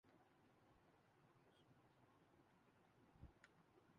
یہ اگر قومی دھارے میں شامل ہونے کی بات کرتے ہیں۔